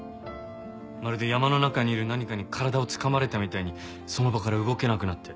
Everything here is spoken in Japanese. まるで山の中にいる何かに体をつかまれたみたいにその場から動けなくなって。